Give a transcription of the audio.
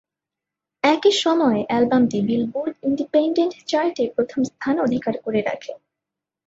একই সময়ে অ্যালবামটি বিলবোর্ড ইন্ডিপেন্ডেন্ট চার্ট এ প্রথম স্থান অধিকার করে রাখে।